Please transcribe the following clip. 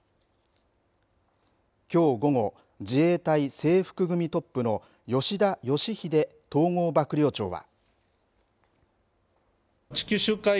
きょう午後、自衛隊制服組トップの吉田圭秀統合幕僚長は。